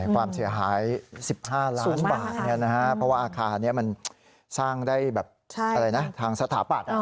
ความเสียหาย๑๕ล้านบาทเพราะว่าอาคารนี้มันสร้างได้แบบทางสถาปัตย์